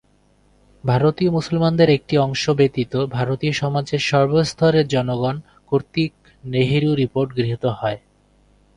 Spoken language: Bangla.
ভারতীয় মুসলমানদের একটি অংশ ব্যতীত ভারতীয় সমাজের সর্বস্তরের জনগণ কর্তৃকনেহেরু রিপোর্ট গৃহীত হয়।